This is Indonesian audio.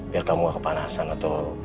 biar kamu gak kepanasan atau